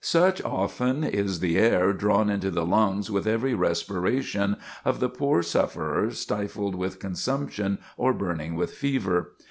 Such, often, is the air drawn into the lungs with every respiration, of the poor sufferer stifled with consumption or burning with fever.